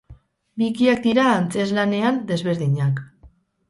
Bikiak dira antzeslanean, desberdinak.